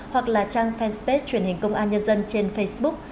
hoặc là trang fanpage truyền hình công an nhân dân trên facebook